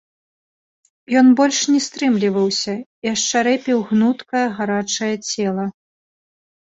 Ён больш не стрымліваўся і ашчарэпіў гнуткае гарачае цела.